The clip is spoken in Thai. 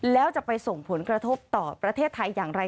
แล้วจะไปส่งผลกระทบต่อประเทศไทยอย่างไร